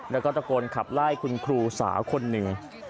แล้วก็ตะโกนขับไล่คุณครูสาวคนหนึ่ง